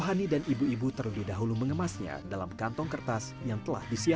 karena kalau nobel boleh begitu maka tidak perlu uitusan ya beli mulut kasar star takiego tadinya